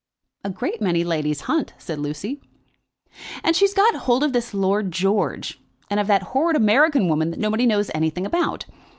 "A great many ladies hunt," said Lucy. "And she's got hold of this Lord George, and of that horrid American woman that nobody knows anything about.